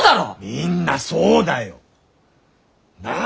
みんなそうだよ。なあ？